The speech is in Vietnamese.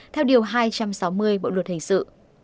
theo điều hai trăm sáu mươi bộ luật hình sự